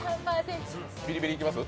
ビリビリいきます？